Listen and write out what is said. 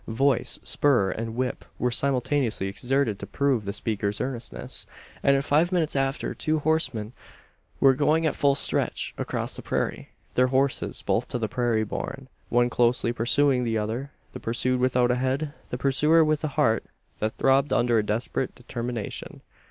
Voice, spur, and whip were simultaneously exerted to prove the speaker's earnestness; and in five minutes after, two horsemen were going at full stretch across the prairie their horses both to the prairie born one closely pursuing the other the pursued without a head; the pursuer with a heart that throbbed under a desperate determination.